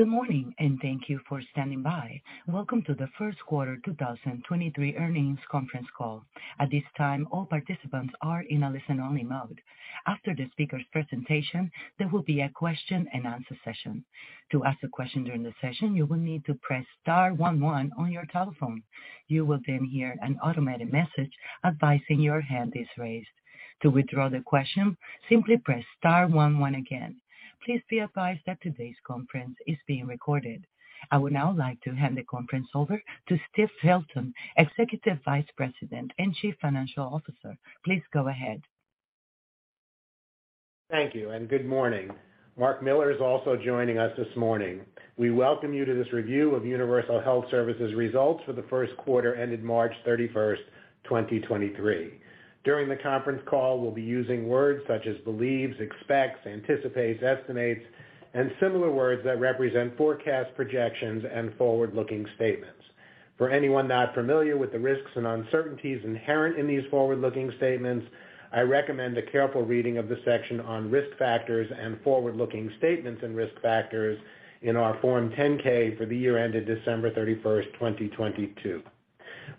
Good morning. Thank you for standing by. Welcome to the Q1 2023 Earnings Conference Call. At this time, all participants are in a listen-only mode. After the speaker's presentation, there will be a Q&A session. To ask a question during the session, you will need to press star one one on your telephone. You will hear an automated message advising your hand is raised. To withdraw the question, simply press star one one again. Please be advised that today's conference is being recorded. I would now like to hand the conference over to Steve Filton, Executive Vice President and Chief Financial Officer. Please go ahead. Thank you and good morning. Marc Miller is also joining us this morning. We welcome you to this review of Universal Health Services results for the Q1 ended March 31, 2023. During the conference call, we'll be using words such as believes, expects, anticipates, estimates, and similar words that represent forecast projections and forward-looking statements. For anyone not familiar with the risks and uncertainties inherent in these forward-looking statements, I recommend a careful reading of the section on risk factors and forward-looking statements and risk factors in our Form 10-K for the year ended December 31, 2022.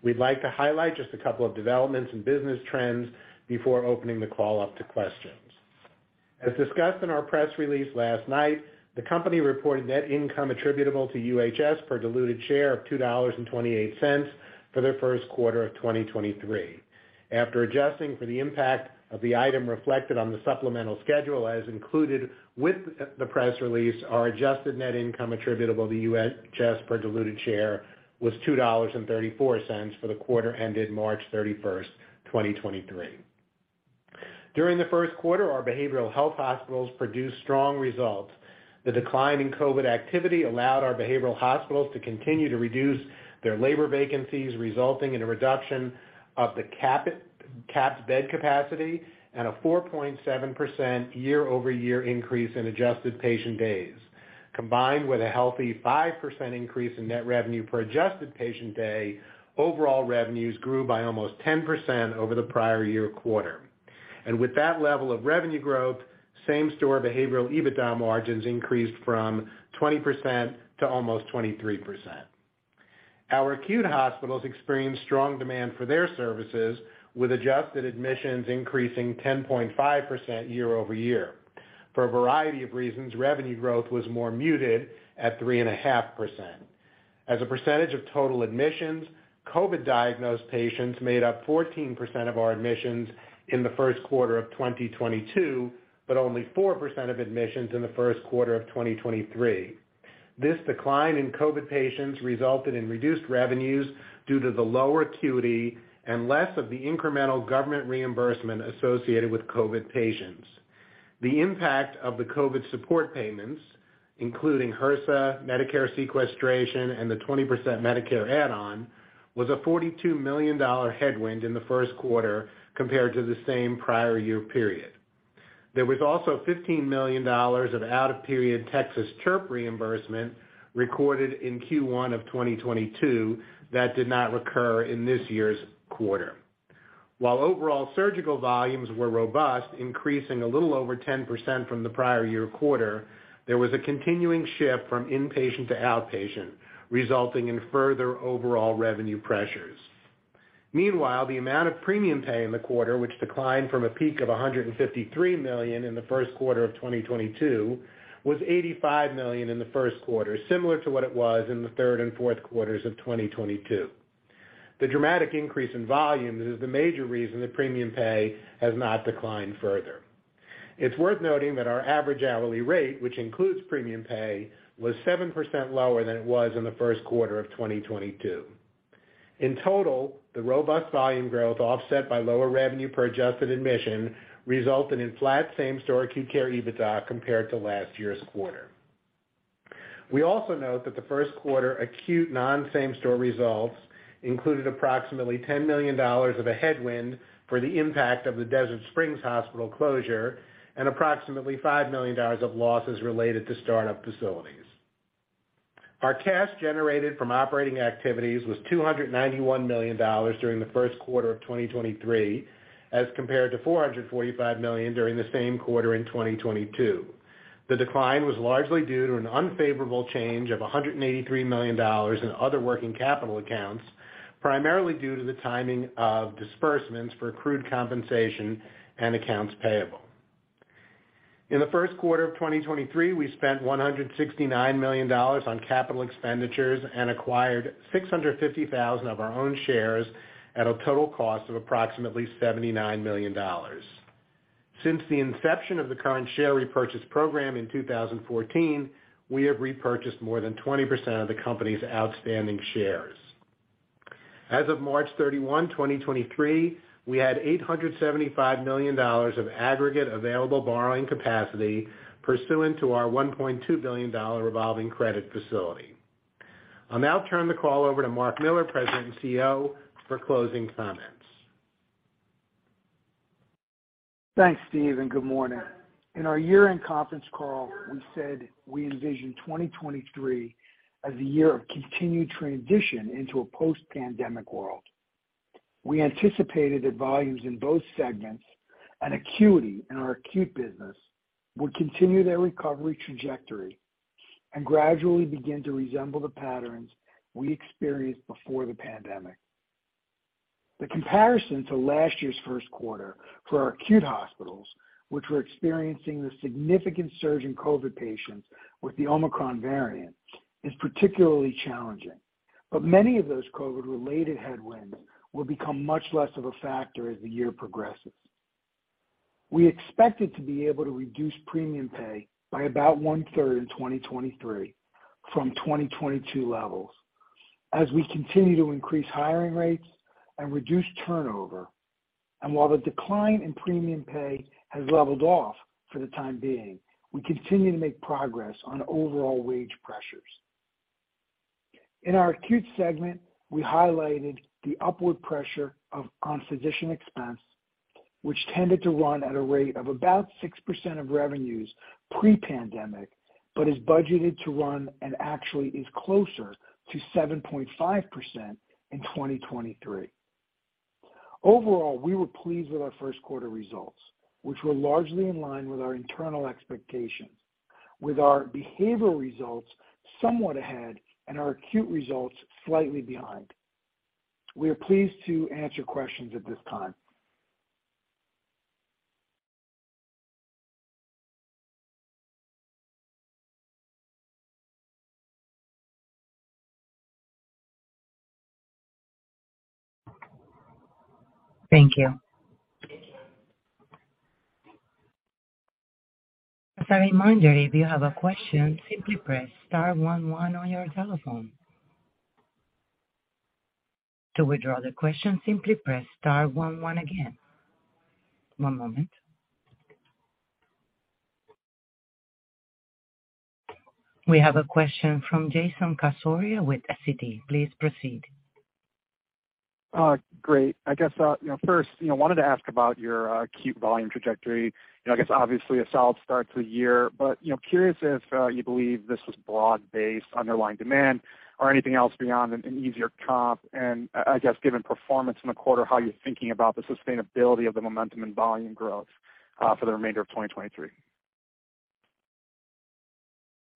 We'd like to highlight just a couple of developments and business trends before opening the call up to questions. As discussed in our press release last night, the company reported net income attributable to UHS per diluted share of $2.28 for their Q1 of 2023. After adjusting for the impact of the item reflected on the supplemental schedule as included with the press release, our adjusted net income attributable to UHS per diluted share was $2.34 for the quarter ended March 31st, 2023. During the Q1, our behavioral health hospitals produced strong results. The decline in COVID activity allowed our behavioral hospitals to continue to reduce their labor vacancies, resulting in a reduction of the capped bed capacity and a 4.7% year-over-year increase in adjusted patient days. Combined with a healthy 5% increase in net revenue per adjusted patient day, overall revenues grew by almost 10% over the prior year quarter. With that level of revenue growth, same-store behavioral EBITDA margins increased from 20% to almost 23%. Our acute hospitals experienced strong demand for their services, with adjusted admissions increasing 10.5% year-over-year. For a variety of reasons, revenue growth was more muted at 3.5%. As a percentage of total admissions, COVID-diagnosed patients made up 14% of our admissions in the Q1 of 2022, but only 4% of admissions in the Q1 of 2023. This decline in COVID patients resulted in reduced revenues due to the lower acuity and less of the incremental government reimbursement associated with COVID patients. The impact of the COVID support payments, including HRSA, Medicare sequestration, and the 20% Medicare add-on, was a $42 million headwind in the Q1 compared to the same prior year period. There was also $15 million of out-of-period Texas TRP reimbursement recorded in Q1 of 2022 that did not recur in this year's quarter. While overall surgical volumes were robust, increasing a little over 10% from the prior year quarter, there was a continuing shift from inpatient to outpatient, resulting in further overall revenue pressures. Meanwhile, the amount of premium pay in the quarter, which declined from a peak of $153 million in the Q1 of 2022, was $85 million in the Q1, similar to what it was in the third and Q4s of 2022. The dramatic increase in volume is the major reason that premium pay has not declined further. It's worth noting that our average hourly rate, which includes premium pay, was 7% lower than it was in the Q1 of 2022. In total, the robust volume growth offset by lower revenue per adjusted admission resulted in flat same-store acute care EBITDA compared to last year's quarter. We also note that the Q1 acute non-same-store results included approximately $10 million of a headwind for the impact of the Desert Springs Hospital closure and approximately $5 million of losses related to start-up facilities. Our cash generated from operating activities was $291 million during the Q1 of 2023, as compared to $445 million during the same quarter in 2022. The decline was largely due to an unfavorable change of $183 million in other working capital accounts, primarily due to the timing of disbursements for accrued compensation and accounts payable. In the Q1 of 2023, we spent $169 million on capital expenditures and acquired 650,000 of our own shares at a total cost of approximately $79 million. Since the inception of the current share repurchase program in 2014, we have repurchased more than 20% of the company's outstanding shares. As of March 31, 2023, we had $875 million of aggregate available borrowing capacity pursuant to our $1.2 billion revolving credit facility. I'll now turn the call over to Marc Miller, President and CEO, for closing comments. Thanks, Steve, and good morning. In our year-end conference call, we said we envision 2023 as a year of continued transition into a post-pandemic world. We anticipated that volumes in both segments and acuity in our acute business would continue their recovery trajectory and gradually begin to resemble the patterns we experienced before the pandemic. The comparison to last year's Q1 for our acute hospitals, which were experiencing the significant surge in COVID patients with the Omicron variant, is particularly challenging. Many of those COVID-related headwinds will become much less of a factor as the year progresses. We expected to be able to reduce premium pay by about one-third in 2023 from 2022 levels as we continue to increase hiring rates and reduce turnover. While the decline in premium pay has leveled off for the time being, we continue to make progress on overall wage pressures. In our acute segment, we highlighted the upward pressure of, on physician expense, which tended to run at a rate of about 6% of revenues pre-pandemic, but is budgeted to run and actually is closer to 7.5% in 2023. Overall, we were pleased with our Q1 results, which were largely in line with our internal expectations, with our behavioral results somewhat ahead and our acute results slightly behind. We are pleased to answer questions at this time. Thank you. As a reminder, if you have a question, simply press star one, one on your telephone. To withdraw the question, simply press star one, one again. One moment. We have a question from Jason Cassorla with Citi. Please proceed. Great. I guess, you know, first, you know, wanted to ask about your acute volume trajectory. You know, I guess obviously a solid start to the year, but, you know, curious if you believe this is broad-based underlying demand or anything else beyond an easier comp. I guess given performance in the quarter, how you're thinking about the sustainability of the momentum and volume growth for the remainder of 2023.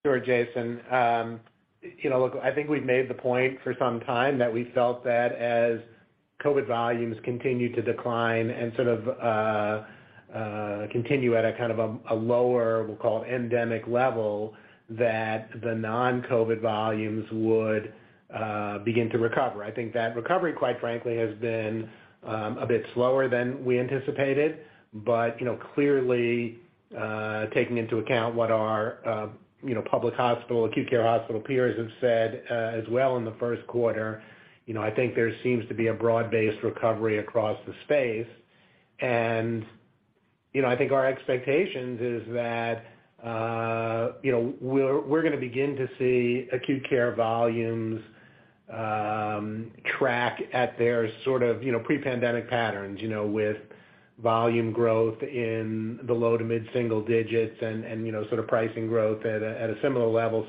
Hello Jason, look, I think we've made the point for some time that we felt that as COVID volumes continued to decline and sort of continue at a kind of a lower, we'll call it endemic level, that the non-COVID volumes would begin to recover. I think that recovery, quite frankly, has been a bit slower than we anticipated. But, you know, clearly, taking into account what our, you know, public hospital, acute care hospital peers have said as well in the Q1, you know, I think there seems to be a broad-based recovery across the space You know, I think our expectations is that, you know, we're gonna begin to see acute care volumes track at their sort of, you know, pre-pandemic patterns, you know, with volume growth in the low to mid-single digits and, you know, sort of pricing growth at a, at a similar level.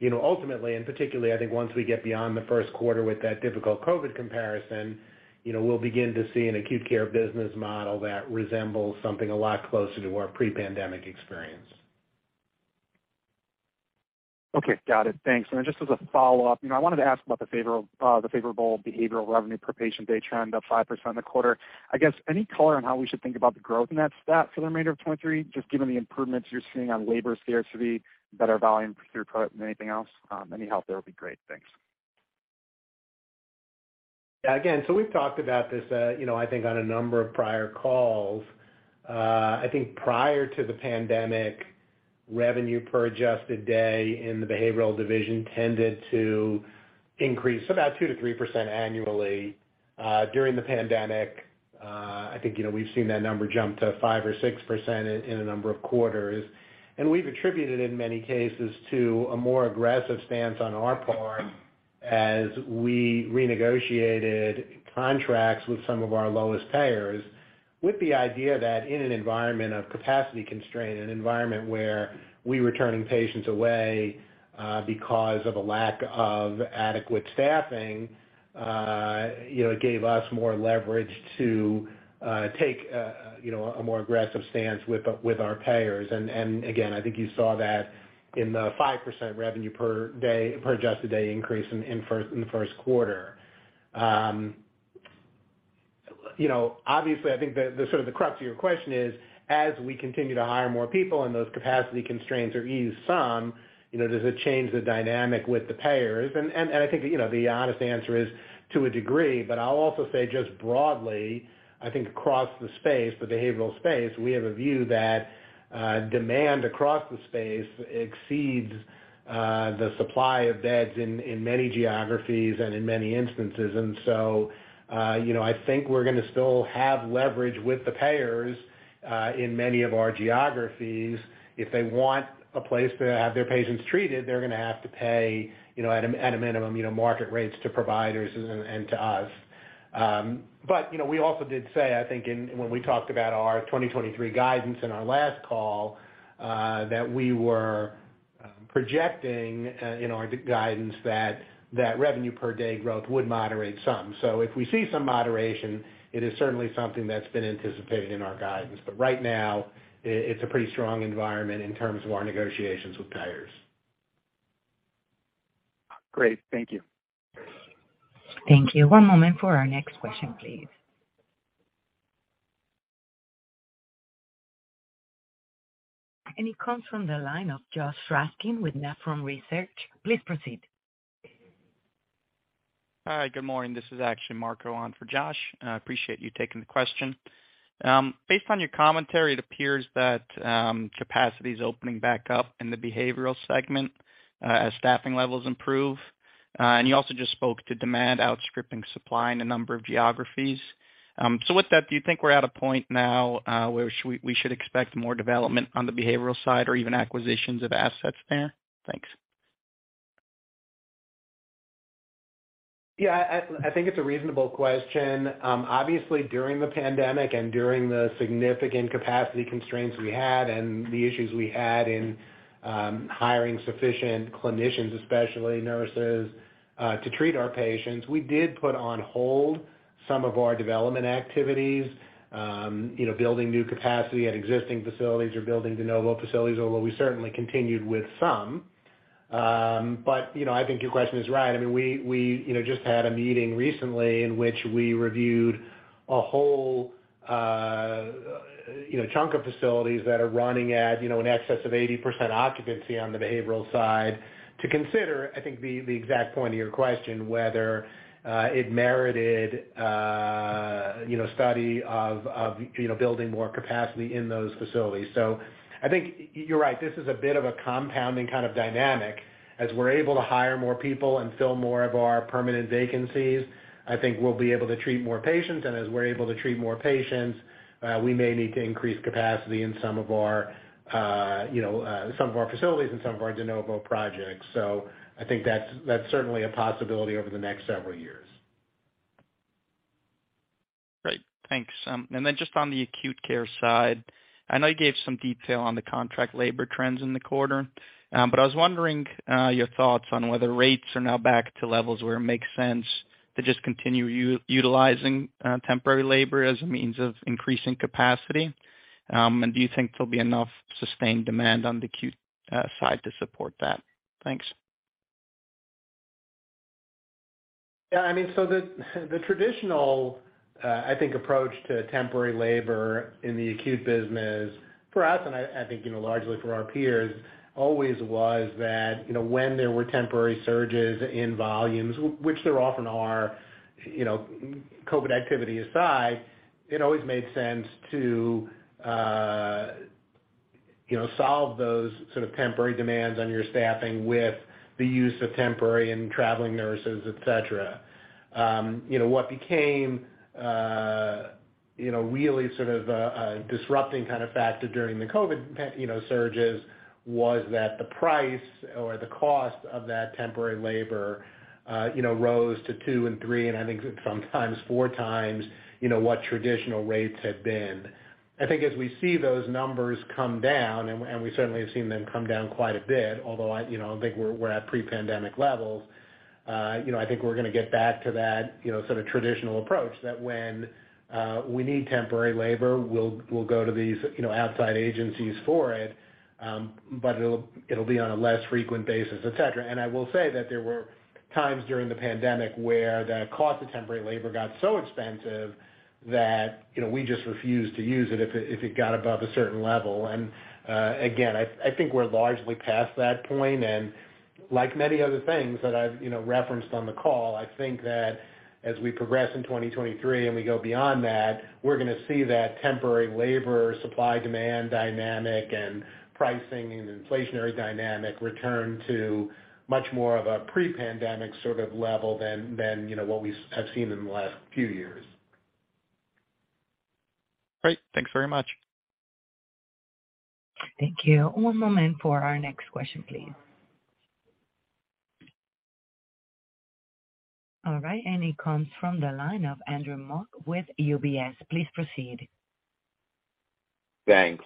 You know, ultimately and particularly, I think once we get beyond the Q1 with that difficult COVID comparison, you know, we'll begin to see an acute care business model that resembles something a lot closer to our pre-pandemic experience. Okay. Got it. Thanks. Just as a follow-up, you know, I wanted to ask about the favorable behavioral revenue per patient day trend of 5% in the quarter. I guess any color on how we should think about the growth in that stat for the remainder of 2023, just given the improvements you're seeing on labor scarcity, better volume for your product than anything else? Any help there would be great. Thanks. Again, we've talked about this, you know, I think on a number of prior calls. I think prior to the pandemic, revenue per adjusted day in the behavioral division tended to increase about 2% to 3% annually. During the pandemic, I think, you know, we've seen that number jump to 5% or 6% in a number of quarters. We've attributed in many cases to a more aggressive stance on our part as we renegotiated contracts with some of our lowest payers, with the idea that in an environment of capacity constraint, an environment where we were turning patients away, because of a lack of adequate staffing, you know, it gave us more leverage to take, you know, a more aggressive stance with our payers. Again, I think you saw that in the 5% revenue per adjusted day increase in the Q1. You know, obviously, I think the sort of the crux of your question is, as we continue to hire more people and those capacity constraints are eased some, you know, does it change the dynamic with the payers? I think, you know, the honest answer is to a degree, but I'll also say just broadly, I think across the space, the behavioral space, we have a view that demand across the space exceeds the supply of beds in many geographies and in many instances. You know, I think we're gonna still have leverage with the payers in many of our geographies. If they want a place to have their patients treated, they're gonna have to pay, you know, at a, at a minimum, you know, market rates to providers and to us. We also did say, I think in, when we talked about our 2023 guidance in our last call, that we were projecting, you know, our guidance that revenue per day growth would moderate some. If we see some moderation, it is certainly something that's been anticipated in our guidance. Right now, it's a pretty strong environment in terms of our negotiations with payers. Great. Thank you. Thank you. One moment for our next question, please. It comes from the line of Joshua Raskin with Nephron Research. Please proceed. Hi. Good morning. This is actually Marco on for Josh. I appreciate you taking the question. Based on your commentary, it appears that capacity is opening back up in the behavioral segment as staffing levels improve. You also just spoke to demand outstripping supply in a number of geographies. With that, do you think we're at a point now where we should expect more development on the behavioral side or even acquisitions of assets there? Thanks. Yeah. I think it's a reasonable question. Obviously, during the pandemic and during the significant capacity constraints we had and the issues we had in hiring sufficient clinicians, especially nurses, to treat our patients, we did put on hold some of our development activities, you know, building new capacity at existing facilities or building de novo facilities, although we certainly continued with some. You know, I think your question is right. I mean, we, you know, just had a meeting recently in which we reviewed a whole, you know, chunk of facilities that are running at in excess of 80% occupancy on the behavioral side to consider, I think, the exact point of your question, whether it merited, you know, study of, you know, building more capacity in those facilities. I think you're right. This is a bit of a compounding kind of dynamic. As we're able to hire more people and fill more of our permanent vacancies, I think we'll be able to treat more patients. As we're able to treat more patients, we may need to increase capacity in some of our, you know, some of our facilities and some of our de novo projects. I think that's certainly a possibility over the next several years. Great. Thanks. Then just on the acute care side, I know you gave some detail on the contract labor trends in the quarter. I was wondering, your thoughts on whether rates are now back to levels where it makes sense to just continue utilizing, temporary labor as a means of increasing capacity. Do you think there'll be enough sustained demand on the acute, side to support that? Thanks. Yeah, I mean, the traditional, I think approach to temporary labor in the acute business for us, and I think, you know, largely for our peers, always was that, you know, when there were temporary surges in volumes, which there often are, you know, COVID activity aside, it always made sense to, you know, solve those sort of temporary demands on your staffing with the use of temporary and traveling nurses, et cetera. You know, what became, you know, really sort of a disrupting kind of factor during the COVID, you know, surges was that the price or the cost of that temporary labor, you know, rose to 2x and 3x, and I think sometimes 4x, you know, what traditional rates had been. I think as we see those numbers come down, and we certainly have seen them come down quite a bit, although I, you know, don't think we're at pre-pandemic levels, you know, I think we're gonna get back to that, you know, sort of traditional approach that when we need temporary labor, we'll go to these, you know, outside agencies for it. But it'll be on a less frequent basis, et cetera. I will say that there were times during the pandemic where the cost of temporary labor got so expensive that, you know, we just refused to use it if it got above a certain level. Again, I think we're largely past that point. Like many other things that I've, you know, referenced on the call, I think that as we progress in 2023 and we go beyond that, we're gonna see that temporary labor supply-demand dynamic and pricing and inflationary dynamic return to much more of a pre-pandemic sort of level than, you know, what we have seen in the last few years. Great. Thanks very much. Thank you. One moment for our next question, please. All right, it comes from the line of Andrew Mok with UBS. Please proceed. Thanks.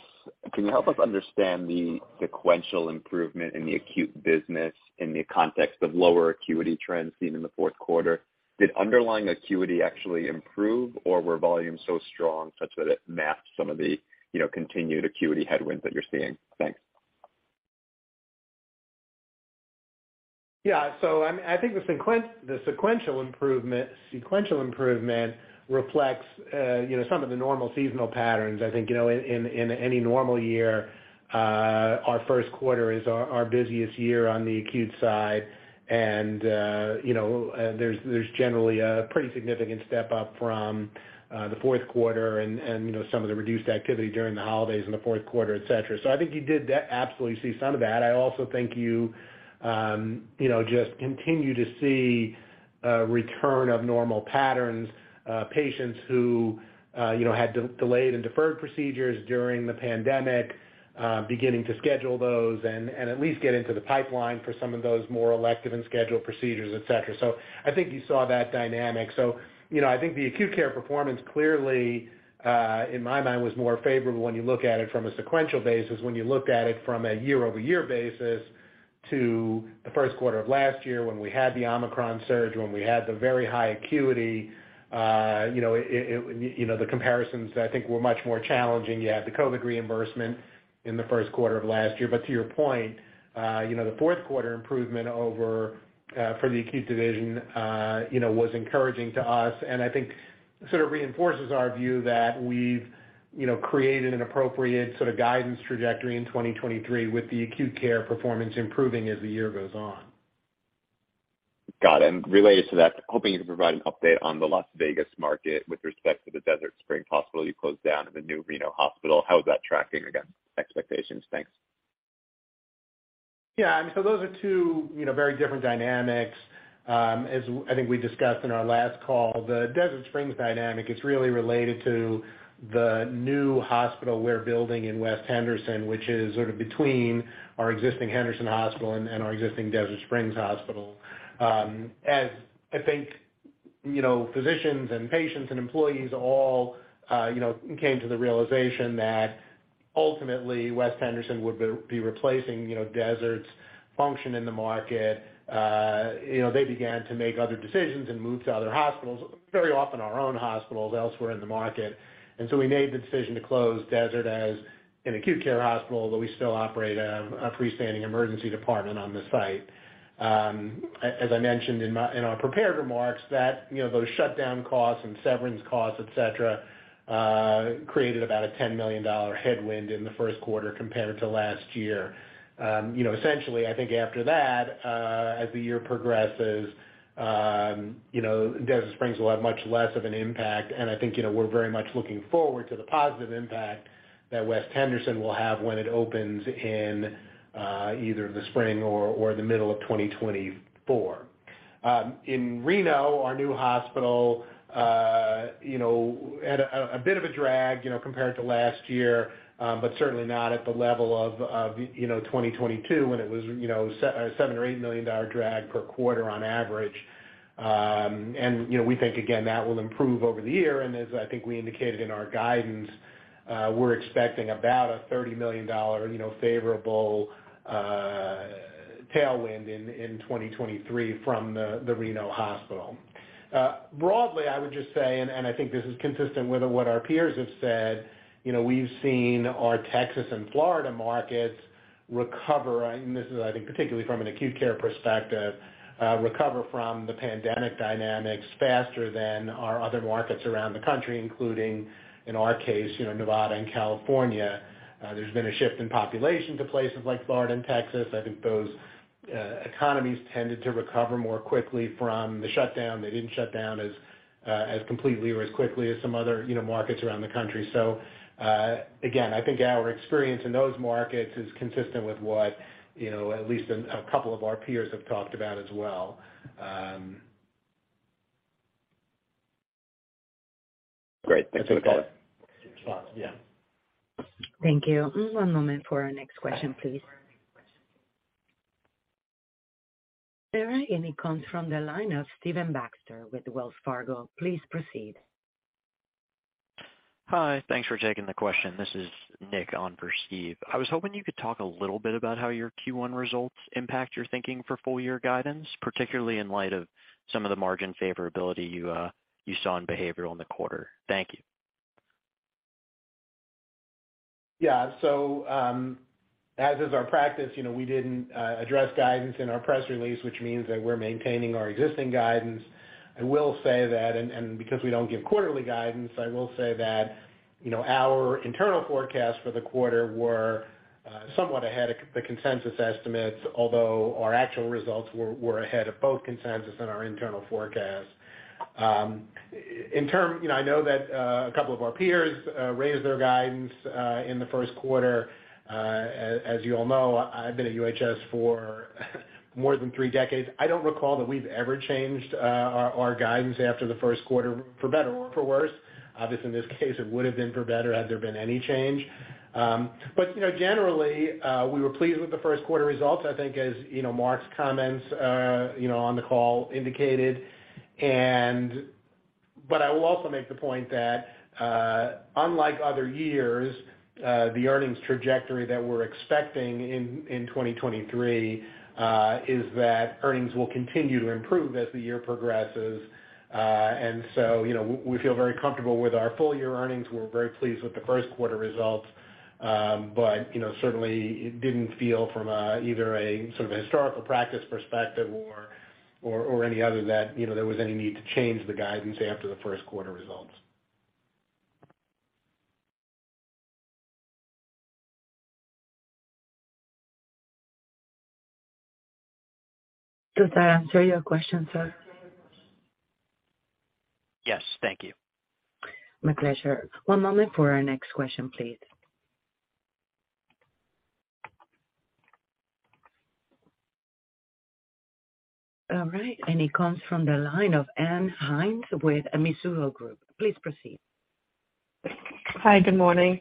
Can you help us understand the sequential improvement in the acute business in the context of lower acuity trends seen in the Q4? Did underlying acuity actually improve, or were volumes so strong such that it masked some of the, you know, continued acuity headwinds that you're seeing? Thanks. Yeah. I think the sequential improvement reflects, you know, some of the normal seasonal patterns. I think, you know, in any normal year, our busiest year on the acute side. There's generally a pretty significant step up from the Q4 and, you know, some of the reduced activity during the holidays in the Q4, et cetera. I think you did absolutely see some of that. I also think you know, just continue to see a return of normal patterns, patients who, you know, had delayed and deferred procedures during the pandemic, beginning to schedule those and at least get into the pipeline for some of those more elective and scheduled procedures, et cetera. I think you saw that dynamic. You know, I think the acute care performance clearly, in my mind, was more favorable when you look at it from a sequential basis. When you look at it from a year-over-year basis to the Q1 of last year when we had the Omicron surge, when we had the very high acuity, you know, it, you know, the comparisons I think were much more challenging. You had the COVID reimbursement in the Q1 of last year. To your point, you know, the Q4 improvement over for the acute division, you know, was encouraging to us and I think sort of reinforces our view that we've, you know, created an appropriate sort of guidance trajectory in 2023 with the acute care performance improving as the year goes on. Got it. Related to that, hoping you can provide an update on the Las Vegas market with respect to the Desert Springs Hospital you closed down and the new Reno hospital. How is that tracking against expectations? Thanks. And so those are two, you know, very different dynamics. As I think we discussed in our last call, the Desert Springs dynamic is really related to the new hospital we're building in West Henderson, which is sort of between our existing Henderson Hospital and our existing Desert Springs Hospital. As I think, you know, physicians and patients and employees all, you know, came to the realization that ultimately West Henderson would be replacing, you know, Desert's function in the market, you know, they began to make other decisions and move to other hospitals, very often our own hospitals elsewhere in the market. We made the decision to close Desert as an acute care hospital, but we still operate a freestanding emergency department on the site. As I mentioned in our prepared remarks that, you know, those shutdown costs and severance costs, et cetera, created about a $10 million headwind in the Q1 compared to last year. You know, essentially, I think after that, as the year progresses, you know, Desert Springs will have much less of an impact. I think, you know, we're very much looking forward to the positive impact that West Henderson will have when it opens in either the spring or the middle of 2024. In Reno, our new hospital, you know, had a bit of a drag, you know, compared to last year, but certainly not at the level of, you know, 2022 when it was, you know, $7 million or $8 million drag per quarter on average. You know, we think again, that will improve over the year. As I think we indicated in our guidance, we're expecting about a $30 million, you know, favorable tailwind in 2023 from the Reno hospital. Broadly, I would just say, and I think this is consistent with what our peers have said, you know, we've seen our Texas and Florida markets recover, and this is, I think, particularly from an acute care perspective, recover from the pandemic dynamics faster than our other markets around the country, including, in our case, you know, Nevada and California. There's been a shift in population to places like Florida and Texas. I think those economies tended to recover more quickly from the shutdown. They didn't shut down as completely or as quickly as some other, you know, markets around the country. Again, I think our experience in those markets is consistent with what, you know, at least a couple of our peers have talked about as well. Great. Thanks for the call. Yeah. Thank you. One moment for our next question, please. All right, it comes from the line of Stephen Baxter with Wells Fargo. Please proceed. Hi. Thanks for taking the question. This is Nick on for Steve. I was hoping you could talk a little bit about how your Q1 results impact your thinking for full year guidance, particularly in light of some of the margin favorability you saw in behavioral in the quarter. Thank you. Yeah. As is our practice, you know, we didn't address guidance in our press release, which means that we're maintaining our existing guidance. I will say that and because we don't give quarterly guidance, I will say that, you know, our internal forecasts for the quarter were somewhat ahead of the consensus estimates, although our actual results were ahead of both consensus and our internal forecasts. You know, I know that a couple of our peers raised their guidance in the Q1. As you all know, I've been at UHS for more than three decades. I don't recall that we've ever changed our guidance after the Q1 for better or for worse. Obviously, in this case, it would have been for better had there been any change. You know, generally, we were pleased with the Q1 results, I think, as you know, Marc's comments, you know, on the call indicated. I will also make the point that, unlike other years, the earnings trajectory that we're expecting in 2023, is that earnings will continue to improve as the year progresses. You know, we feel very comfortable with our full year earnings. We're very pleased with the Q1 results. You know, certainly it didn't feel from, either a sort of historical practice perspective or any other that, you know, there was any need to change the guidance after the Q1 results. Does that answer your question, sir? Yes, thank you. My pleasure. One moment for our next question, please. All right, it comes from the line of Ann Hynes with Mizuho Securities. Please proceed. Hi. Good morning.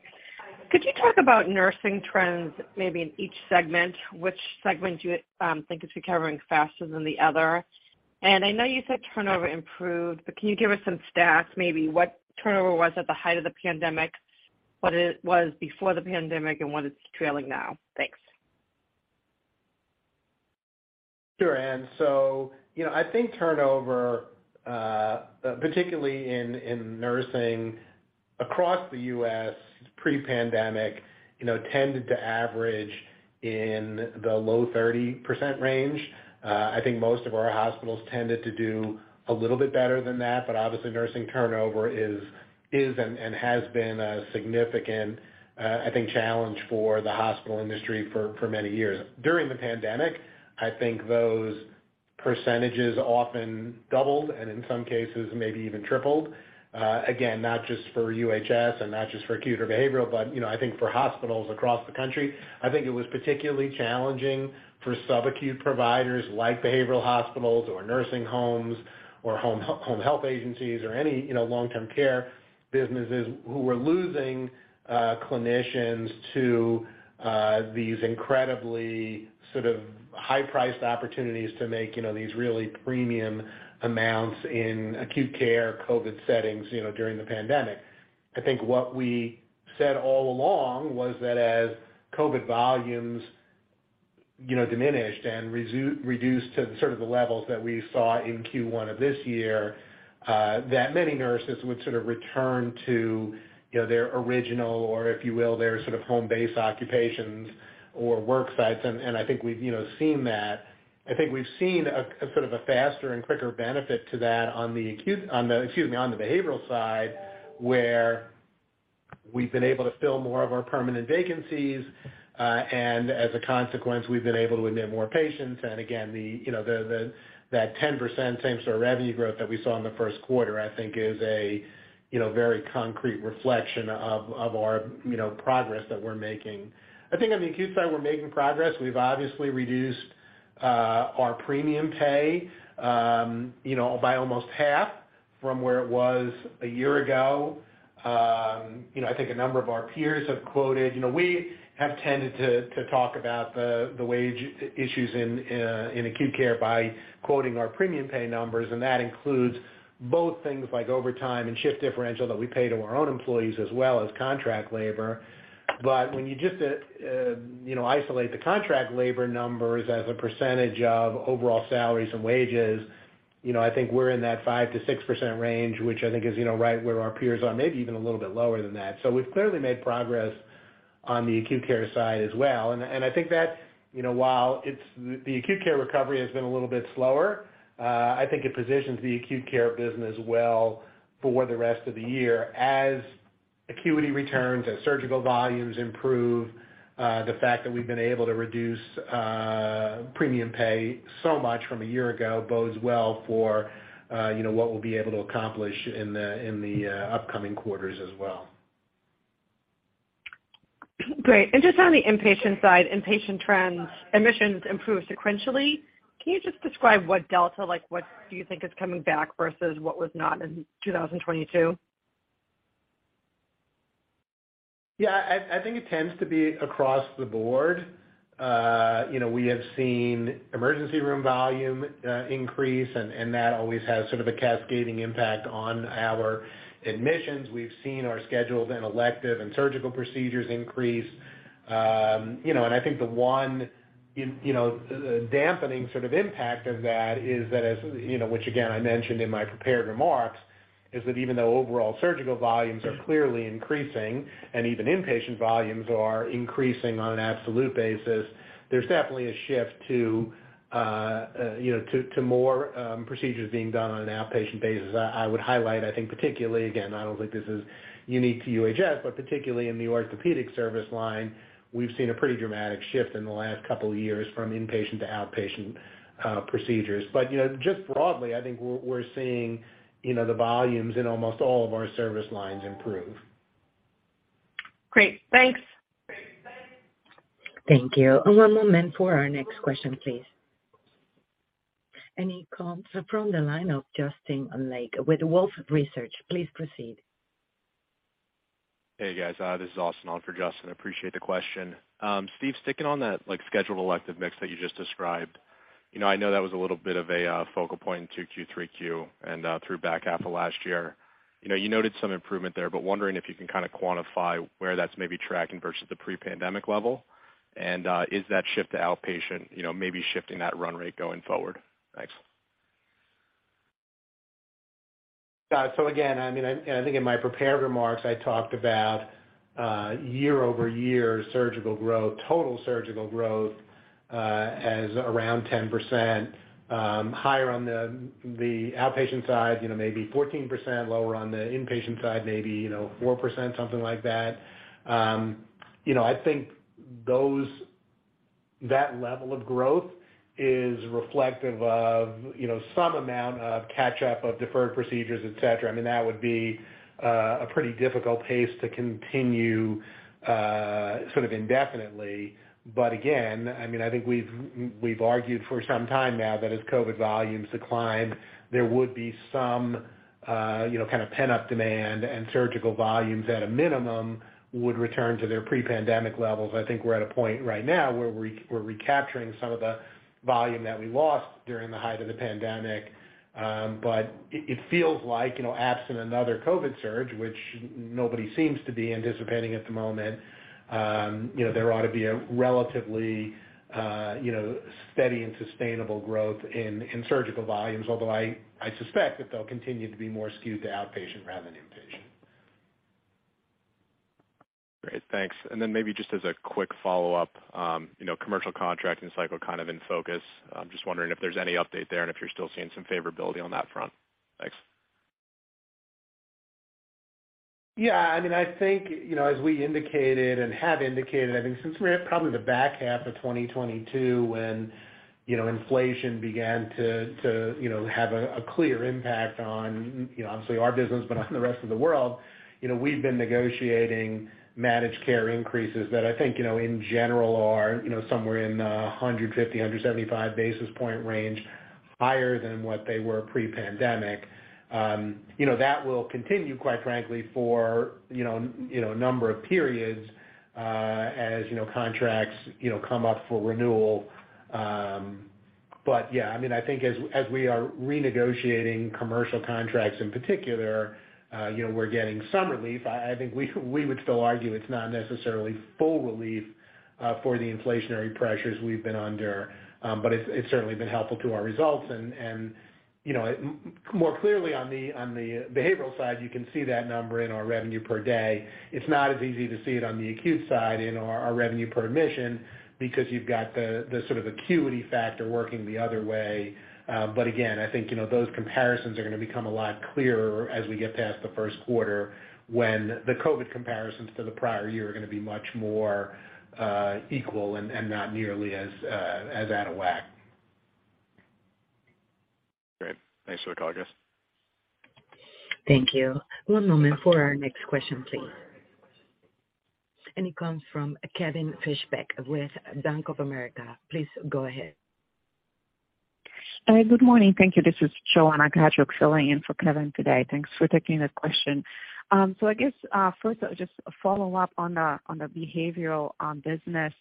Could you talk about nursing trends, maybe in each segment, which segment you think is recovering faster than the other? I know you said turnover improved, but can you give us some stats, maybe what turnover was at the height of the pandemic, what it was before the pandemic, and what it's trailing now? Thanks. Sure, Ann. You know, I think turnover, particularly in nursing across the U.S. pre-pandemic, you know, tended to average in the low 30% range. I think most of our hospitals tended to do a little bit better than that, but obviously nursing turnover is and has been a significant, I think, challenge for the hospital industry for many years. During the pandemic, I think those percentages often doubled, and in some cases, maybe even tripled. Again, not just for UHS and not just for acute or behavioral, but, you know, I think for hospitals across the country. I think it was particularly challenging for sub-acute providers, like behavioral hospitals or nursing homes or home health agencies or any, you know, long-term care businesses who were losing clinicians to these incredibly sort of high-priced opportunities to make, you know, these really premium amounts in acute care COVID settings, you know, during the pandemic. I think what we said all along was that as COVID volumes, you know, diminished and reduced to sort of the levels that we saw in Q1 of this year, that many nurses would sort of return to, you know, their original or if you will, their sort of home-based occupations or work sites. I think we've, you know, seen that. I think we've seen a sort of a faster and quicker benefit to that on the acute, on the, excuse me, on the behavioral side, where we've been able to fill more of our permanent vacancies. As a consequence, we've been able to admit more patients. Again, the, you know, the, that 10% same-store revenue growth that we saw in the Q1, I think is a, you know, very concrete reflection of our, you know, progress that we're making. On the acute side, we're making progress. We've obviously reduced our premium pay, you know, by almost half from where it was a year ago. You know, I think a number of our peers have quoted, you know, we have tended to talk about the wage issues in acute care by quoting our premium pay numbers, and that includes both things like overtime and shift differential that we pay to our own employees as well as contract labor. When you just, you know, isolate the contract labor numbers as a percentage of overall salaries and wages, you know, I think we're in that 5% to 6% range, which I think is, you know, right where our peers are, maybe even a little bit lower than that. We've clearly made progress on the acute care side as well. I think that, you know, while the acute care recovery has been a little bit slower, I think it positions the acute care business well for the rest of the year as acuity returns, as surgical volumes improve. The fact that we've been able to reduce premium pay so much from a year ago bodes well for, you know, what we'll be able to accomplish in the upcoming quarters as well. Great. Just on the inpatient side, inpatient trends, admissions improved sequentially. Can you just describe what delta, like, what do you think is coming back versus what was not in 2022? I think it tends to be across the board. You know, we have seen emergency room volume increase and that always has sort of a cascading impact on our admissions. We've seen our scheduled and elective and surgical procedures increase. You know, and I think the one in, the dampening sort of impact of that is that as, you know, which again, I mentioned in my prepared remarks, is that even though overall surgical volumes are clearly increasing and even inpatient volumes are increasing on an absolute basis, there's definitely a shift to, you know, to more procedures being done on an outpatient basis. I would highlight, I think particularly again, I don't think this is unique to UHS, but particularly in the orthopedic service line, we've seen a pretty dramatic shift in the last couple of years from inpatient to outpatient procedures. You know, just broadly, I think we're seeing, you know, the volumes in almost all of our service lines improve. Great. Thanks. Thank you. One moment for our next question, please. He comes from the line of Justin Lake with Wolfe Research. Please proceed. Hey, guys. This is Austin on for Justin. Appreciate the question. Steve, sticking on that, like, scheduled elective mix that you just described, you know, I know that was a little bit of a focal point in Q2, Q3, and through back half of last year. You know, you noted some improvement there, but wondering if you can kinda quantify where that's maybe tracking versus the pre-pandemic level. Is that shift to outpatient, you know, maybe shifting that run rate going forward? Thanks. Again, I mean, I, and I think in my prepared remarks, I talked about, year-over-year surgical growth, total surgical growth, as around 10%, higher on the outpatient side, you know, maybe 14%, lower on the inpatient side, maybe, you know, 4%, something like that. You know, I think that level of growth is reflective of, you know, some amount of catch up of deferred procedures, et cetera. I mean, that would be, a pretty difficult pace to continue, sort of indefinitely. Again, I mean, I think we've argued for some time now that as COVID volumes decline, there would be some, you know, kind of pent-up demand and surgical volumes at a minimum would return to their pre-pandemic levels. I think we're at a point right now where we're recapturing some of the volume that we lost during the height of the pandemic. It feels like, you know, absent another COVID surge, which nobody seems to be anticipating at the moment, you know, there ought to be a relatively, you know, steady and sustainable growth in surgical volumes. Although I suspect that they'll continue to be more skewed to outpatient rather than inpatient. Great. Thanks. Maybe just as a quick follow-up, you know, commercial contracting cycle kind of in focus. I'm just wondering if there's any update there and if you're still seeing some favorability on that front. Thanks. Yeah, I mean, I think, you know, as we indicated and have indicated, I think since we're probably in the back half of 2022 when, you know, inflation began to, you know, have a clear impact on, you know, obviously our business, but on the rest of the world, you know, we've been negotiating managed care increases that I think, you know, in general are, you know, somewhere in 150 to 175 basis point range higher than what they were pre-pandemic. You know, that will continue, quite frankly for, you know, a number of periods, as, you know, contracts, you know, come up for renewal. Yeah, I mean, I think as we are renegotiating commercial contracts in particular, you know, we're getting some relief. I think we would still argue it's not necessarily full relief for the inflationary pressures we've been under. It's certainly been helpful to our results. You know, more clearly on the behavioral side, you can see that number in our revenue per day. It's not as easy to see it on the acute side in our revenue per admission because you've got the sort of acuity factor working the other way. Again, I think, you know, those comparisons are gonna become a lot clearer as we get past the Q1 when the COVID comparisons to the prior year are gonna be much more equal and not nearly as out of whack. Great. Thanks for the call, guys. Thank you. One moment for our next question, please. It comes from Kevin Fischbeck with Bank of America. Please go ahead. Good morning. Thank you. This is Joanna Gajuk filling in for Kevin today. Thanks for taking the question. I guess, first just a follow-up on the behavioral business.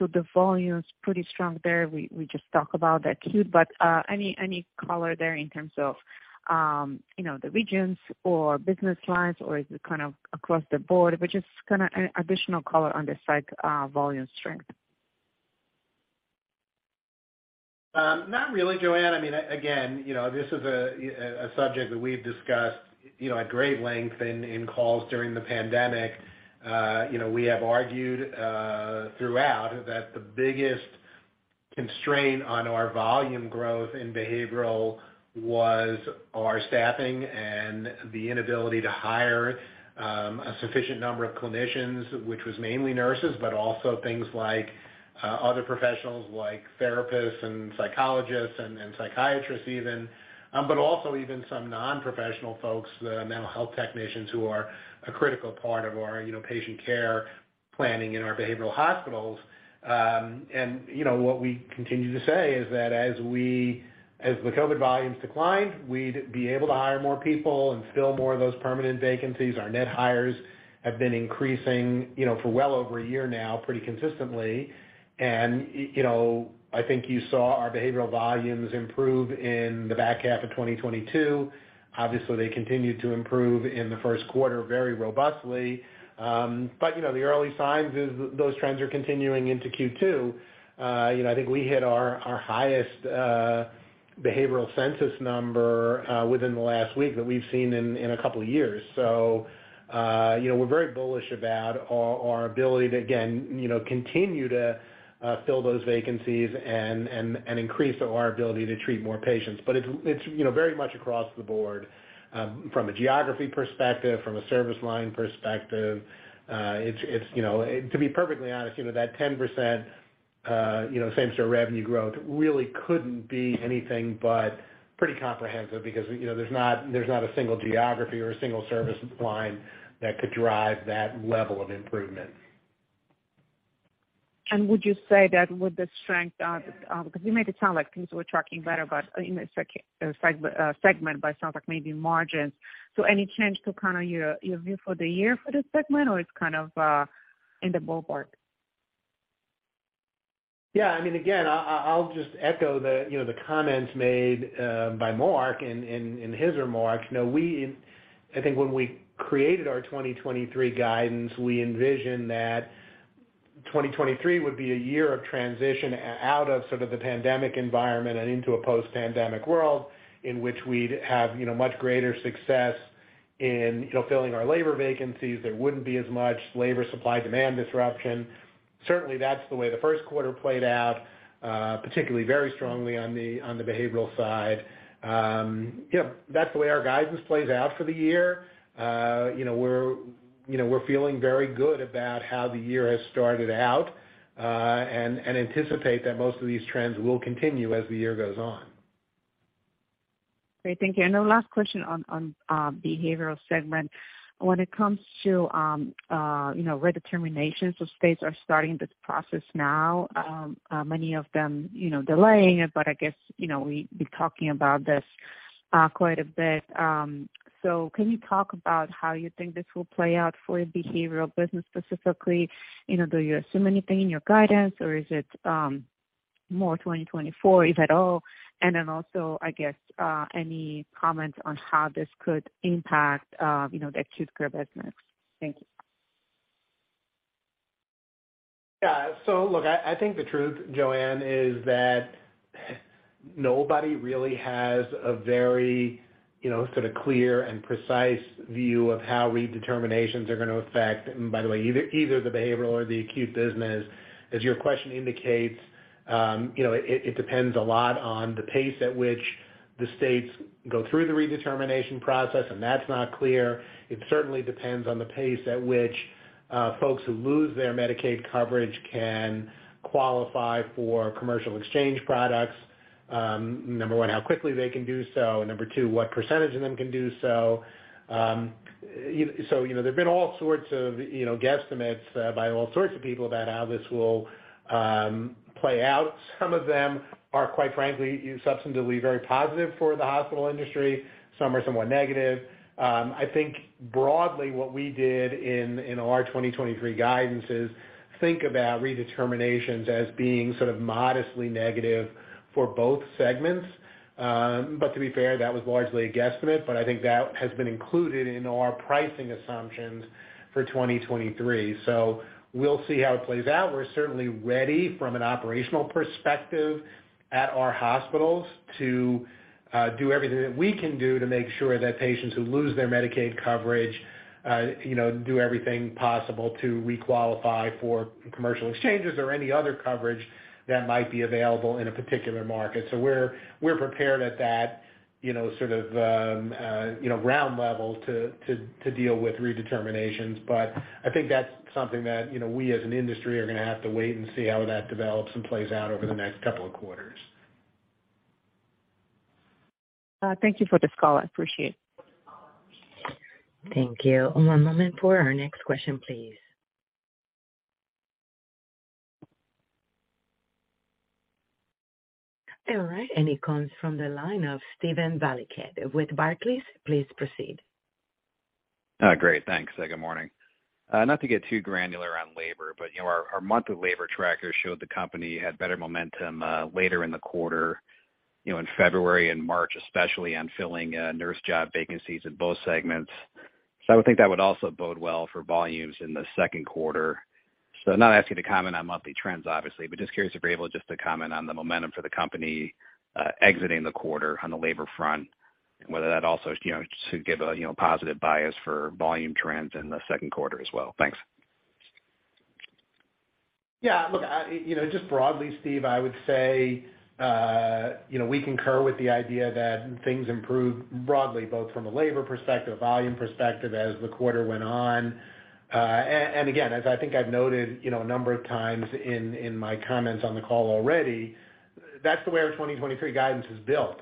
The volume's pretty strong there. We just talk about acute, but any color there in terms of, you know, the regions or business lines, or is it kind of across the board? Just kinda any additional color on this, like, volume strength. not really, Joanna. I mean, again, you know, this is a subject that we've discussed, you know, at great length in calls during the pandemic. you know, we have argued throughout that the biggest constraint on our volume growth in behavioral was our staffing and the inability to hire a sufficient number of clinicians, which was mainly nurses, but also things like other professionals like therapists and psychologists and psychiatrists even. but also even some non-professional folks, the mental health technicians who are a critical part of our, you know, patient care planning in our behavioral hospitals. you know, what we continue to say is that as the COVID volumes decline, we'd be able to hire more people and fill more of those permanent vacancies. Our net hires have been increasing, you know, for well over a year now pretty consistently. You know, I think you saw our behavioral volumes improve in the back half of 2022. Obviously, they continued to improve in the Q1 very robustly. You know, the early signs is those trends are continuing into Q2. You know, I think we hit our highest behavioral census number within the last week that we've seen in a couple years. You know, we're very bullish about our ability to again, you know, continue to fill those vacancies and increase our ability to treat more patients. It's, you know, very much across the board from a geography perspective, from a service line perspective. It's, you know, to be perfectly honest, you know, that 10%, you know, same-store revenue growth really couldn't be anything but pretty comprehensive because, you know, there's not, there's not a single geography or a single service line that could drive that level of improvement. Would you say that with the strength of, because you made it sound like things were tracking better, but in a segment, but it sounds like maybe margins. Any change to kind of your view for the year for this segment, or it's kind of, in the ballpark? Yeah, I mean, again, I'll just echo the, you know, the comments made by Marc in his remarks. You know, I think when we created our 2023 guidance, we envisioned that 2023 would be a year of transition out of sort of the pandemic environment and into a post-pandemic world in which we'd have, you know, much greater success in, you know, filling our labor vacancies. There wouldn't be as much labor supply demand disruption. Certainly, that's the way the Q1 played out, particularly very strongly on the, on the behavioral side. You know, that's the way our guidance plays out for the year. You know, we're, you know, we're feeling very good about how the year has started out, and anticipate that most of these trends will continue as the year goes on. Great. Thank you. Last question on behavioral segment. When it comes to, you know, redeterminations of states are starting this process now, many of them, you know, delaying it, I guess, you know, we've been talking about this quite a bit. Can you talk about how you think this will play out for your behavioral business specifically? You know, do you assume anything in your guidance, or is it more 2024, if at all? Also, I guess, any comments on how this could impact, you know, the acute care business? Thank you. Look, I think the truth, Joanna, is that nobody really has a very, you know, sort of clear and precise view of how redeterminations are gonna affect, and by the way, either the behavioral or the acute business. As your question indicates, you know, it depends a lot on the pace at which the states go through the redetermination process, and that's not clear. It certainly depends on the pace at which folks who lose their Medicaid coverage can qualify for commercial exchange products. Number one, how quickly they can do so. Number two, what percentage of them can do so. You know, there've been all sorts of, you know, guesstimates by all sorts of people about how this will play out. Some of them are, quite frankly, substantively very positive for the hospital industry. Some are somewhat negative. I think broadly what we did in our 2023 guidances, think about redeterminations as being sort of modestly negative for both segments. To be fair, that was largely a guesstimate, but I think that has been included in our pricing assumptions for 2023. We'll see how it plays out. We're certainly ready from an operational perspective at our hospitals to do everything that we can do to make sure that patients who lose their Medicaid coverage, you know, do everything possible to re-qualify for commercial exchanges or any other coverage that might be available in a particular market. We're, we're prepared at that, you know, sort of, you know, ground level to deal with redeterminations. I think that's something that, you know, we as an industry are gonna have to wait and see how that develops and plays out over the next couple of quarters. Thank you for this call. I appreciate it. Thank you. One moment for our next question, please. All right, it comes from the line of Steven Valiquette with Barclays. Please proceed. Great. Thanks. Good morning. Not to get too granular on labor, but, you know, our monthly labor tracker showed the company had better momentum, later in the quarter, you know, in February and March, especially on filling, nurse job vacancies in both segments. I would think that would also bode well for volumes in the Q2. I'm not asking to comment on monthly trends, obviously, but just curious if you're able just to comment on the momentum for the company, exiting the quarter on the labor front, and whether that also, you know, should give a, you know, positive bias for volume trends in the Q2 as well. Thanks. Yeah, look, I, you know, just broadly, Steve, I would say, you know, we concur with the idea that things improved broadly, both from a labor perspective, volume perspective, as the quarter went on. Again, as I think I've noted, you know, a number of times in my comments on the call already, that's the way our 2023 guidance is built.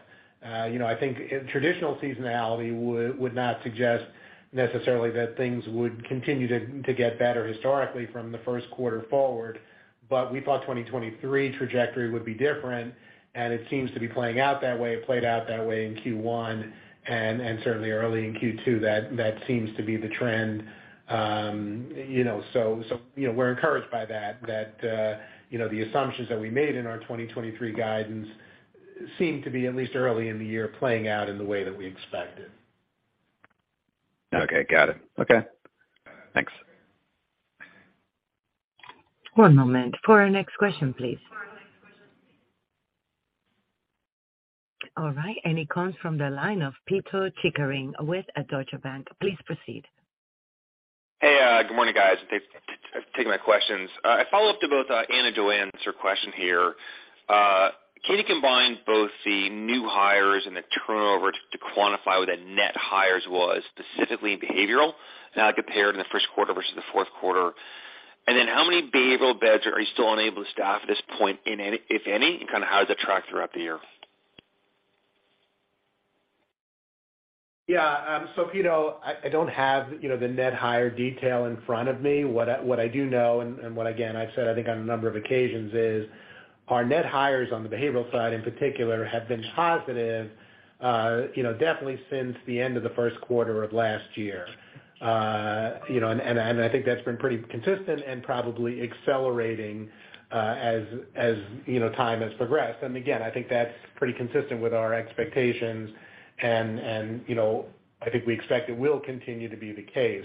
You know, I think traditional seasonality would not suggest necessarily that things would continue to get better historically from the Q1 forward, but we thought 2023 trajectory would be different, and it seems to be playing out that way. It played out that way in Q1, and certainly early in Q2, that seems to be the trend. You know, so, you know, we're encouraged by that, you know, the assumptions that we made in our 2023 guidance seem to be at least early in the year, playing out in the way that we expected. Okay. Got it. Okay. Thanks. One moment for our next question, please. All right, it comes from the line of Pito Chickering with Deutsche Bank. Please proceed. Hey, good morning, guys. Thanks for taking my questions. A follow-up to both Ann Hynes and Joanna Gajuk's question here. Can you combine both the new hires and the turnover to quantify what the net hires was, specifically in behavioral, compared in the Q1 versus the Q4? How many behavioral beds are you still unable to staff at this point, if any, and kinda how does that track throughout the year? Yeah. Pito, I don't have, you know, the net hire detail in front of me. What I do know and what again, I've said, I think on a number of occasions is, our net hires on the behavioral side in particular, have been positive, you know, definitely since the end of the Q1 of last year. You know, and I think that's been pretty consistent and probably accelerating, as, you know, time has progressed. And again, I think that's pretty consistent with our expectations and, you know, I think we expect it will continue to be the case.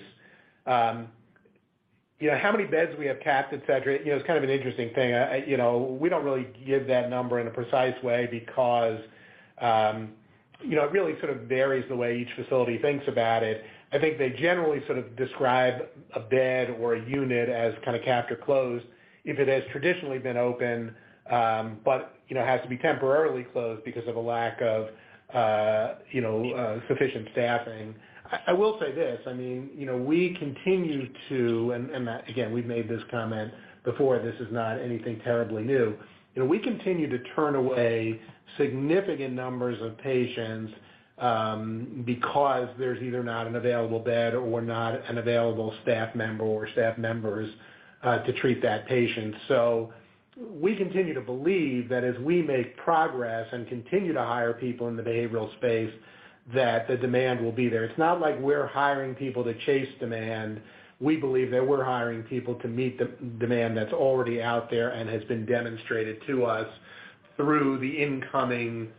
You know, how many beds we have capped, et cetera, you know, it's kind of an interesting thing. You know, we don't really give that number in a precise way because, you know, it really sort of varies the way each facility thinks about it. I think they generally sort of describe a bed or a unit as kinda capped or closed if it has traditionally been open, but, you know, has to be temporarily closed because of a lack of, you know, sufficient staffing. I will say this, I mean, you know, we continue to, again, we've made this comment before, this is not anything terribly new. You know, we continue to turn away significant numbers of patients because there's either not an available bed or not an available staff member or staff members to treat that patient. We continue to believe that as we make progress and continue to hire people in the behavioral space, that the demand will be there. It's not like we're hiring people to chase demand. We believe that we're hiring people to meet the demand that's already out there and has been demonstrated to us through the incoming,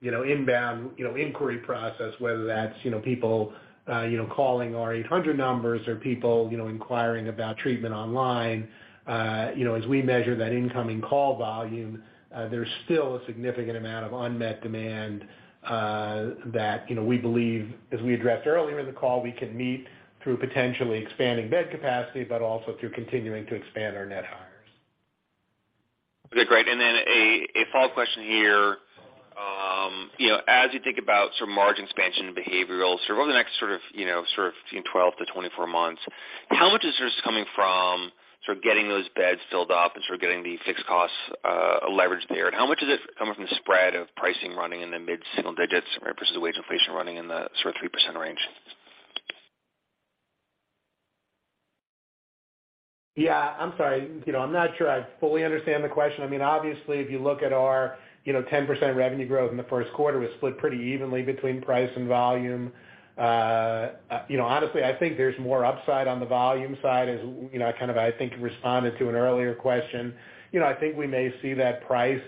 you know, inbound, you know, inquiry process, whether that's, you know, people, you know, calling our 800 numbers or people, you know, inquiring about treatment online. As we measure that incoming call volume, there's still a significant amount of unmet demand that, you know, we believe as we addressed earlier in the call, we can meet through potentially expanding bed capacity, but also through continuing to expand our net hires. Okay, great. Then a follow-up question here. you know, as you think about sort of margin expansion and behavioral, sort of over the next, you know, sort of between 12 to 24 months, how much is this coming from sort of getting those beds filled up and sort of getting the fixed costs leveraged there? How much of it is coming from the spread of pricing running in the mid-single digits versus the wage inflation running in the 3% range? Yeah, I'm sorry. You know, I'm not sure I fully understand the question. I mean, obviously, if you look at our, you know, 10% revenue growth in the Q1 was split pretty evenly between price and volume. You know, honestly, I think there's more upside on the volume side as, you know, I kind of, I think, responded to an earlier question. You know, I think we may see that price,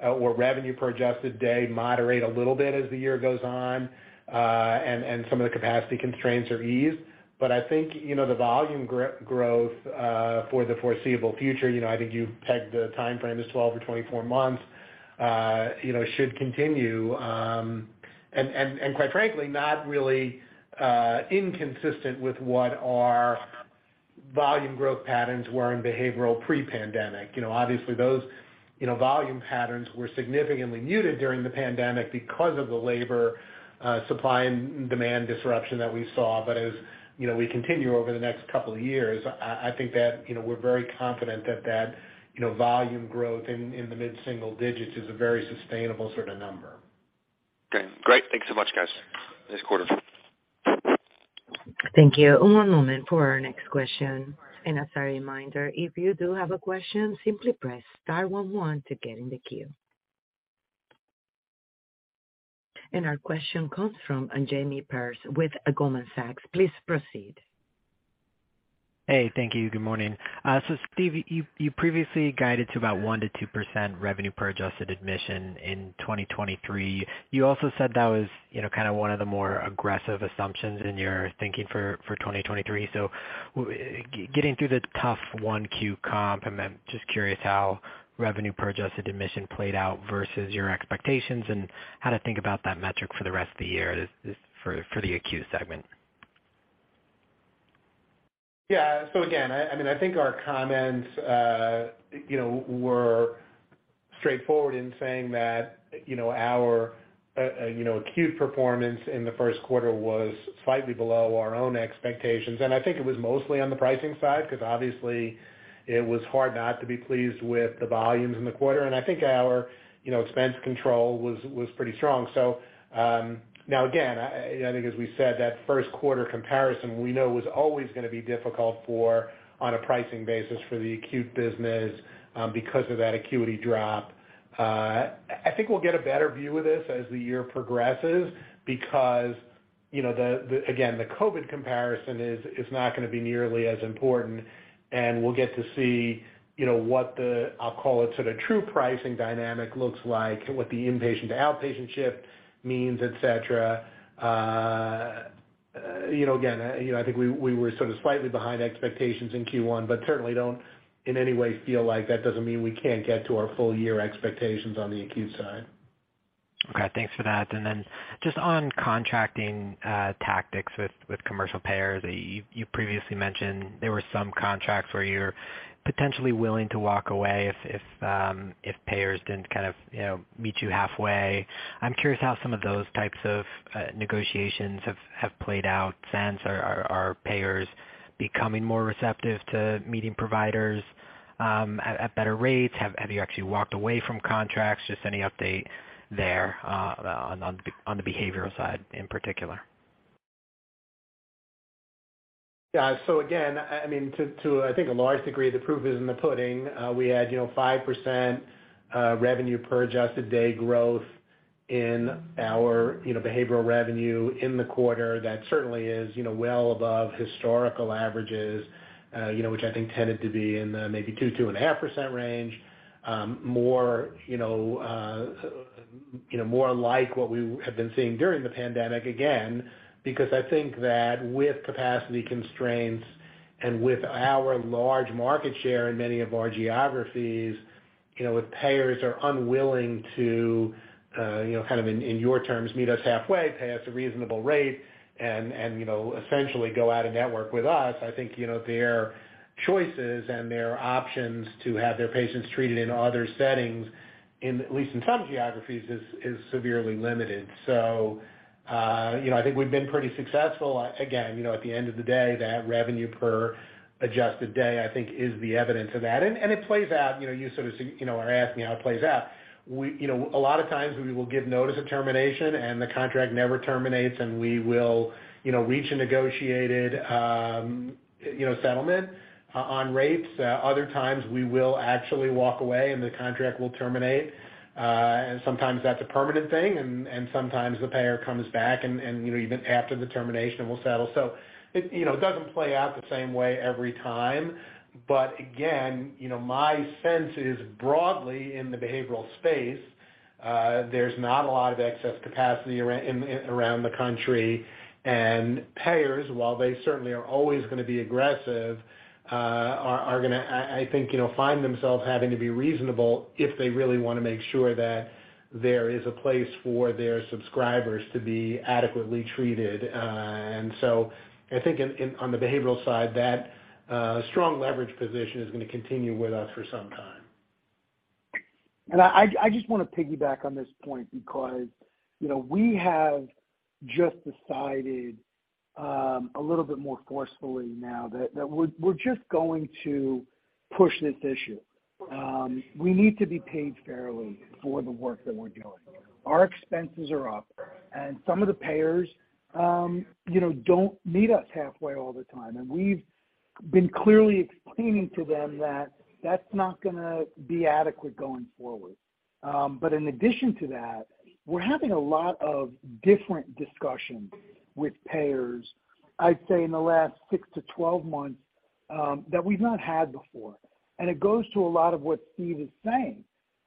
or revenue per adjusted day moderate a little bit as the year goes on, and some of the capacity constraints are eased. I think, you know, the volume growth, for the foreseeable future, you know, I think you pegged the timeframe as 12 or 24 months, should continue. And quite frankly, not really, inconsistent with what our volume growth patterns were in behavioral pre-pandemic. You know, obviously those, you know, volume patterns were significantly muted during the pandemic because of the labor supply and demand disruption that we saw. As, you know, we continue over the next couple of years, I think that, you know, we're very confident that, you know, volume growth in the mid-single digits is a very sustainable sort of number. Okay, great. Thank you so much, guys. Nice quarter. Thank you. One moment for our next question. As a reminder, if you do have a question, simply press star one one to get in the queue. Our question comes from Jamie Perse with Goldman Sachs. Please proceed. Hey, thank you. Good morning. Steve, you previously guided to about 1% to 2% revenue per adjusted admission in 2023. You also said that was, you know, kind of one of the more aggressive assumptions in your thinking for 2023. Getting through the tough 1Q comp, I'm just curious how revenue per adjusted admission played out versus your expectations and how to think about that metric for the rest of the year, this for the acute segment. Yeah. Again, I mean, I think our comments, you know, were straightforward in saying that, you know, our, you know, acute performance in the Q1 was slightly below our own expectations. I think it was mostly on the pricing side because obviously it was hard not to be pleased with the volumes in the quarter. I think our, you know, expense control was pretty strong. Now again, I think as we said, that Q1 comparison we know was always gonna be difficult for on a pricing basis for the acute business because of that acuity drop. I think we'll get a better view of this as the year progresses because, you know, the, again, the COVID comparison is not gonna be nearly as important, and we'll get to see, you know, what the, I'll call it sort of true pricing dynamic looks like, what the inpatient to outpatient shift means, et cetera. You know, again, you know, I think we were sort of slightly behind expectations in Q1, but certainly don't in any way feel like that doesn't mean we can't get to our full year expectations on the acute side. Okay, thanks for that. Just on contracting tactics with commercial payers, you previously mentioned there were some contracts where you're potentially willing to walk away if payers didn't kind of, you know, meet you halfway. I'm curious how some of those types of negotiations have played out since. Are payers becoming more receptive to meeting providers at better rates? Have you actually walked away from contracts? Just any update there on the behavioral side in particular. Again, I mean, to I think a large degree, the proof is in the pudding. We had, you know, 5% revenue per adjusted day growth in our, you know, behavioral revenue in the quarter. That certainly is, you know, well above historical averages, you know, which I think tended to be in the maybe 2% to 2.5% range. More, you know, more like what we have been seeing during the pandemic. Because I think that with capacity constraints and with our large market share in many of our geographies, you know, if payers are unwilling to, you know, kind of in your terms, meet us halfway, pay us a reasonable rate and, you know, essentially go out-of-network with us, I think, you know, their choices and their options to have their patients treated in other settings, in at least in some geographies, is severely limited. I think we've been pretty successful. You know, at the end of the day, that revenue per adjusted day, I think is the evidence of that. It plays out. You know, you sort of, you know, are asking me how it plays out. We, you know, a lot of times we will give notice of termination, and the contract never terminates, and we will, you know, reach a negotiated, you know, settlement on rates. Other times, we will actually walk away, and the contract will terminate. Sometimes that's a permanent thing, and sometimes the payer comes back and, you know, even after the termination will settle. It, you know, it doesn't play out the same way every time. Again, you know, my sense is broadly in the behavioral space, there's not a lot of excess capacity around the country. Payers, while they certainly are always gonna be aggressive, are gonna, I think, you know, find themselves having to be reasonable if they really wanna make sure that there is a place for their subscribers to be adequately treated. I think in on the behavioral side, that, strong leverage position is gonna continue with us for some time. I just wanna piggyback on this point because, you know, we have just decided a little bit more forcefully now that we're just going to push this issue. We need to be paid fairly for the work that we're doing. Our expenses are up and some of the payers, you know, don't meet us halfway all the time, and we've been clearly explaining to them that that's not gonna be adequate going forward. In addition to that, we're having a lot of different discussions with payers, I'd say in the last six to 12 months that we've not had before. It goes to a lot of what Steve is saying.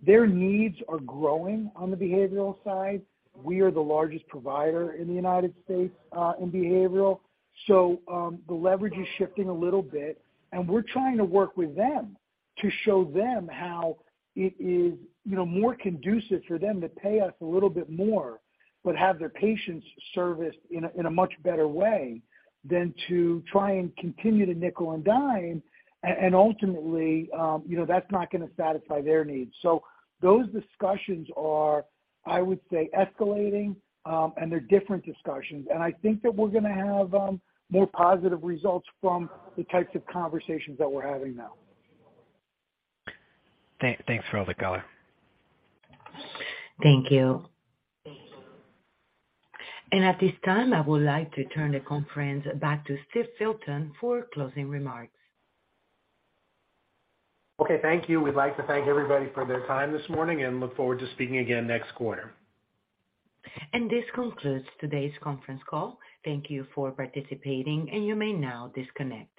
Their needs are growing on the behavioral side. We are the largest provider in the United States in behavioral. The leverage is shifting a little bit, and we're trying to work with them to show them how it is, you know, more conducive for them to pay us a little bit more, but have their patients serviced in a much better way than to try and continue to nickel and dime. Ultimately, you know, that's not gonna satisfy their needs. Those discussions are, I would say, escalating, and they're different discussions. I think that we're gonna have more positive results from the types of conversations that we're having now. Thanks for all the color. Thank you. At this time, I would like to turn the conference back to Steve Filton for closing remarks. Okay, thank you. We'd like to thank everybody for their time this morning and look forward to speaking again next quarter. This concludes today's conference call. Thank you for participating, and you may now disconnect.